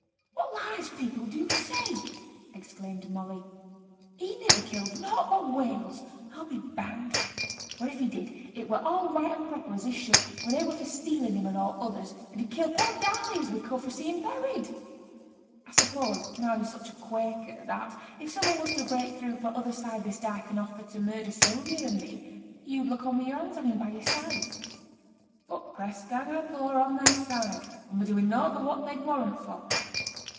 'What lies people do say!' exclaimed Molly. 'He niver killed nought but whales, a'll be bound; or, if he did, it were all right and proper as he should, when they were for stealing him an' all t' others, and did kill poor Darley as we come fra' seemin' buried. A suppose, now yo're such a Quaker that, if some one was to break through fra' t' other side o' this dyke and offer for to murder Sylvia and me, yo'd look on wi' yo'r hands hanging by yo'r side.' 'But t' press gang had law on their side, and were doing nought but what they'd warrant for.'